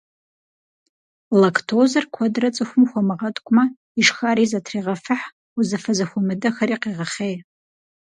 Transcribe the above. Лактозэр куэдрэ цӀыхум хуэмыгъэткӀумэ, ишхари зэтрегъэфыхь, узыфэ зэхуэмыдэхэри къегъэхъей.